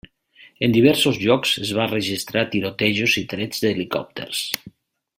En diversos llocs es van registrar tirotejos i trets des d'helicòpters.